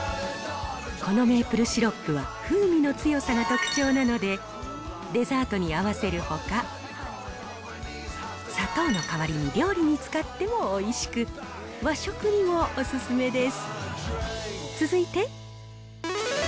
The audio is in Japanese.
このメープルシロップは風味の強さが特徴なので、デザートに合わせるほか、砂糖の代わりに料理に使ってもおいしく、和食にもお勧めです。